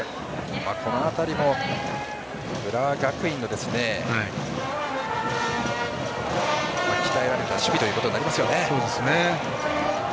この辺りも浦和学院の鍛えられた守備ということになりますよね。